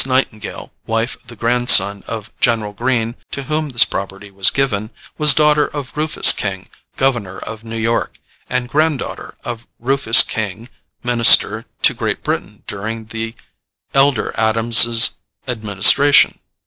Nightingale, wife of the grandson of General Greene, to whom this property was given, was daughter of Rufus King, governor of New York, and granddaughter of Rufus King, minister to Great Britain during the elder Adams's administration.